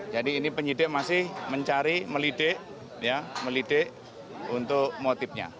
jadi ini penyidik masih mencari melidek untuk motifnya